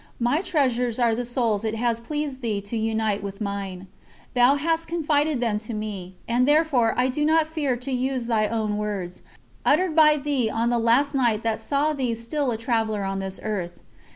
My treasures are the souls it has pleased thee to unite with mine; Thou hast confided them to me, and therefore I do not fear to use Thy own words, uttered by Thee on the last night that saw Thee still a traveller on this earth.